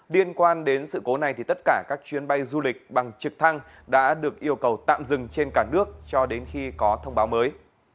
liên quan đến sự cố này thì tất cả các chuyến bay du lịch bằng trực thăng đã được yêu cầu tạm dừng trên cả nước cho đến khi có thông báo mới